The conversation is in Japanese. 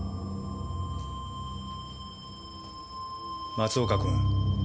松岡君